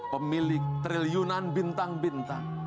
pemilik triliunan bintang bintang